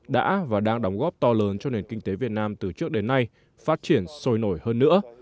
đã và đang đóng góp to lớn cho nền kinh tế việt nam từ trước đến nay phát triển sôi nổi hơn nữa